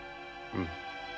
うん。